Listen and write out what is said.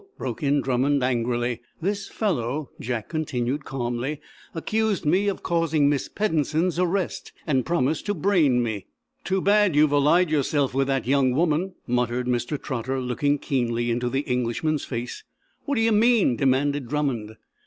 broke in Drummond, angrily. "This fellow," Jack continued, calmly, "accused me of causing Miss Peddensen's arrest, and promised to brain me." "Too bad you've allied yourself with that young woman," muttered Mr. Trotter looking keenly into the Englishman's face. "What d'ye mean?" demanded Drummond.